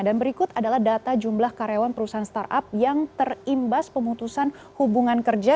dan berikut adalah data jumlah karyawan perusahaan startup yang terimbas pemutusan hubungan kerja